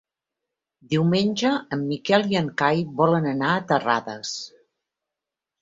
Diumenge en Miquel i en Cai volen anar a Terrades.